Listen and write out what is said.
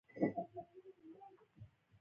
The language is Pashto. هګۍ د ویټامین A لرونکې ده.